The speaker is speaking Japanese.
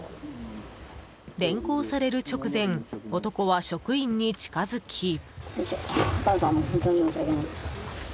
連行される直前男は職員に近づき。